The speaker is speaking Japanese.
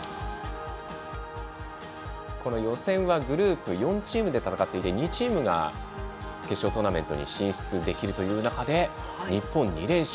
この予選はグループ４チームで戦っていて、２チームが決勝トーナメントに進出できるという中で日本２連勝。